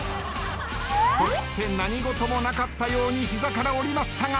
そして何事もなかったように膝からおりましたが。